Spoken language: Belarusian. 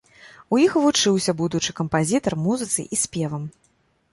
У іх і вучыўся будучы кампазітар музыцы і спевам.